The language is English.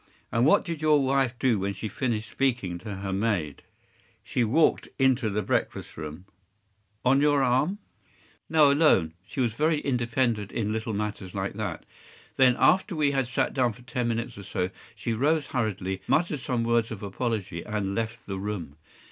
And what did your wife do when she finished speaking to her maid?” “She walked into the breakfast room.” “On your arm?” “No, alone. She was very independent in little matters like that. Then, after we had sat down for ten minutes or so, she rose hurriedly, muttered some words of apology, and left the room.